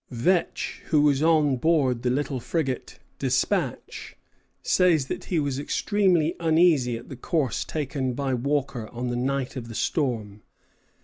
" Vetch, who was on board the little frigate "Despatch," says that he was extremely uneasy at the course taken by Walker on the night of the storm.